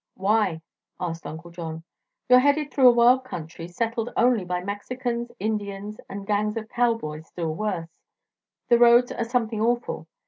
"Why?" asked Uncle John. "You're headed through a wild country, settled only by Mexicans, Indians, and gangs of cowboys still worse. The roads are something awful.